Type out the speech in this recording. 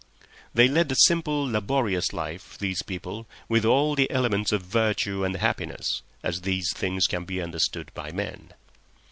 They led a simple, laborious life, these people, with all the elements of virtue and happiness as these things can be understood by men.